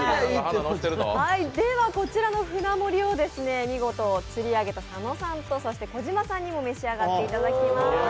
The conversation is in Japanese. こちらの舟盛りを見事釣り上げた佐野さんと小島さんにも召し上がっていただきます。